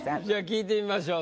聞いてみましょう。